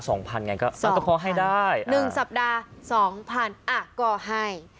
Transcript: สองพันไงก็สองพันต้องขอให้ได้หนึ่งสัปดาห์สองพันอ่ะก็ให้